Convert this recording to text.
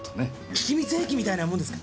秘密兵器みたいなもんですか？